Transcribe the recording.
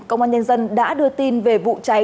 công an nhân dân đã đưa tin về vụ cháy